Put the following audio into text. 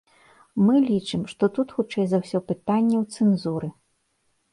Мы лічым, што тут хутчэй за ўсё пытанне ў цэнзуры.